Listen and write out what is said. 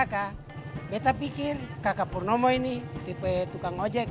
kebetulan kita punya kaki ini sudah capek